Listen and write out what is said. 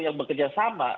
yang bekerja sama